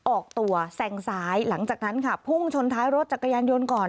ออกตัวแสงซ้ายหลังจากนั้นค่ะพุ่งชนท้ายรถจักรยานยนต์ก่อน